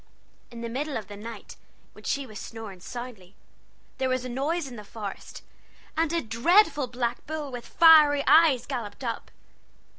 In the middle of the night, when she was snoring soundly, there was a noise in the forest, and a dreadful black bull with fiery eyes galloped up.